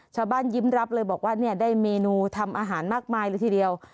ยิ้มรับเลยบอกว่าเนี่ยได้เมนูทำอาหารมากมายเลยทีเดียว